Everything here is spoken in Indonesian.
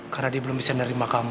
karena dia belum bisa nerima kamu